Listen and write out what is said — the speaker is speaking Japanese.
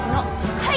はい！